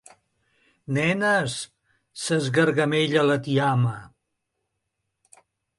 Neneees –s'esgargamella la tiama–.